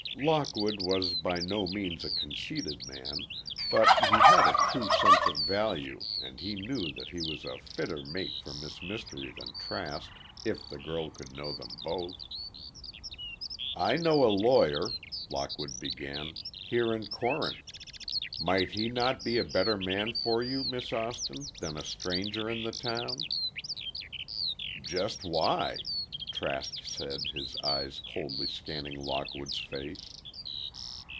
Lockwood was by no means a conceited man, but he had a true sense of value and he knew that he was a fitter mate for Miss Mystery than Trask, if the girl could know them both. "I know a lawyer," Lockwood began, "here in Corinth. Might he not be a better man for you, Miss Austin, than a stranger in the town?" "Just why?" Trask said, his eyes coldly scanning Lockwood's face.